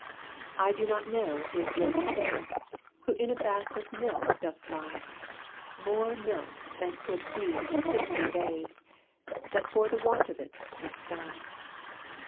I do not know his Lady fair, Who in a bath of milk doth lie; More milk than could feed fifty babes, That for the want of it must die.